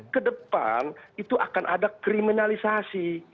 kedepan itu akan ada kriminalisasi